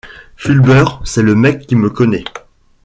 Fulbert c’est le mec qui me connaît.